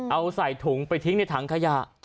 เอาใส่ถุงไปทิ้งในถังขยะ